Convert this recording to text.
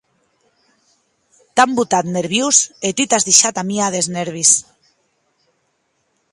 T’an botat nerviós e tu t’as deishat amiar des nèrvis.